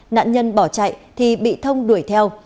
nạn nhân bỏ chạy thì bị thông đuổi theo